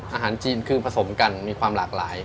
อาหารจีนคือผสมกันมีความหลากหลาย